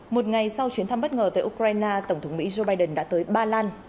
một ngày sau chuyến thăm bất ngờ tới ukraine tổng thống mỹ joe biden đã tới ba lan